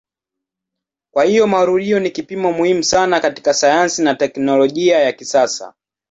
Kwa hiyo marudio ni kipimo muhimu sana katika sayansi na teknolojia ya kisasa.